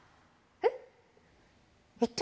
えっ？